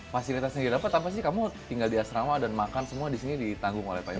fasilitasnya yang didapat apa sih kamu tinggal di asrama dan makan semua di sini ditanggung oleh pak imron